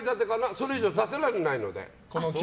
それ以上、建てられないので。